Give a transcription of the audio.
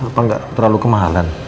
apa gak terlalu kemahalan